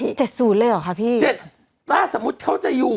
๗๐เลยหรอค่ะพี่ถ้าสมมุติเขาจะอยู่